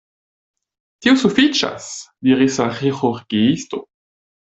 Tio sufiĉas, diris la ĥirurgiisto.